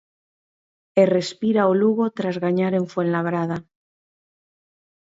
E respira o Lugo tras gañar en Fuenlabrada.